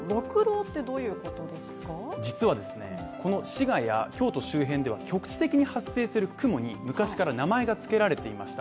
実はですね、この滋賀や京都周辺では局地的に発生する雲に昔から名前が付けられていました。